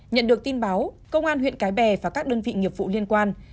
nhận được tin báo công an huyện cái bè và các đơn vị nghiệp vụ liên quan